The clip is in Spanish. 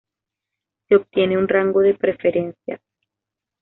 Se obtienen un rango de preferencias.